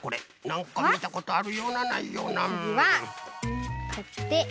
なんかみたことあるようなないような。